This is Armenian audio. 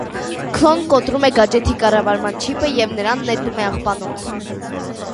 Քլոն կոտրում է գաջեթի կառավարման չիպը և նրան նետում է աղբանոց։